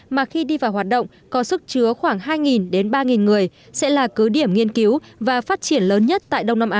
mà khi đi vào hoạt động có sức chứa khoảng hai đến ba người sẽ là cứ điểm nghiên cứu và phát triển lớn nhất tại đông nam á